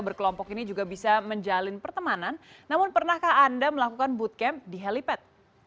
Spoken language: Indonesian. berkelompok ini juga bisa menjalin pertemanan namun pernahkah anda melakukan bootcamp di helipad